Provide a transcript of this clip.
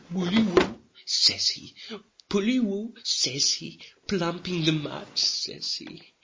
"Woully wou," says he, "Pully wou," says he, "Plump in the mud," says he.